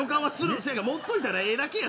持っといたらええだけや。